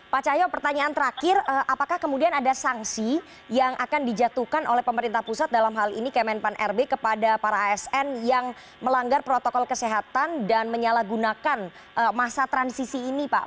pak cahyo pertanyaan terakhir apakah kemudian ada sanksi yang akan dijatuhkan oleh pemerintah pusat dalam hal ini kemenpan rb kepada para asn yang melanggar protokol kesehatan dan menyalahgunakan masa transisi ini pak